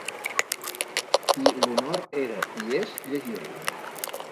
I l'honor era, i és, llegir-la.